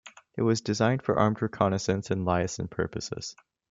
It was designed for armed reconnaissance and liaison purposes.